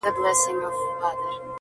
وژني بېګناه انسان ګوره چي لا څه کیږي.!